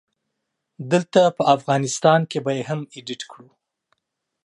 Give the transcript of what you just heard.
دلته په افغانستان کې به يې هم اډيټ کړو